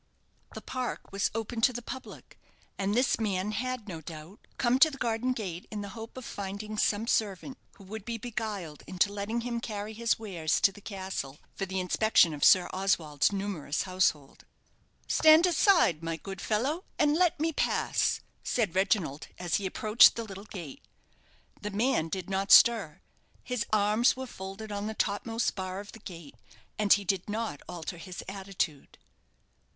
The park was open to the public; and this man had, no doubt, come to the garden gate in the hope of finding some servant who would be beguiled into letting him carry his wares to the castle, for the inspection of Sir Oswald's numerous household. "Stand aside, my good fellow, and let me pass," said Reginald, as he approached the little gate. The man did not stir. His arms were folded on the topmost bar of the gate, and he did not alter his attitude.